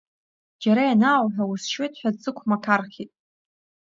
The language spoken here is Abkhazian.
Џьара ианаауҳәа усшьуеит ҳәа дсықәмақархьеит.